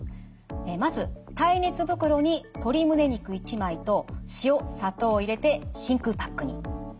まず耐熱袋に鶏胸肉１枚と塩砂糖を入れて真空パックに。